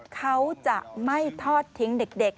เขาจะไม่ทอดทิ้งเด็ก